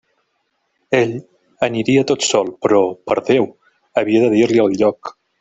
Ell aniria tot sol; però, per Déu!, havia de dir-li el lloc.